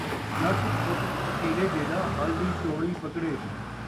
ڄٹ دا پتر پٹیلے جیݙا ، ہل دی چوڑی پکڑے